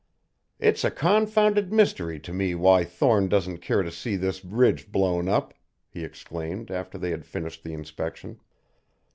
"It's a confounded mystery to me why Thorne doesn't care to see this ridge blown up!" he exclaimed after they had finished the inspection.